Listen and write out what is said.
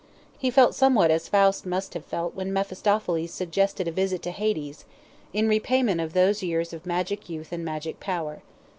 He felt somewhat as Faust must have felt when Mephistopheles suggested a visit to Hades, in repayment of those years of magic youth and magic power.